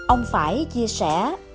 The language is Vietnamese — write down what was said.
ông phải chia sẻ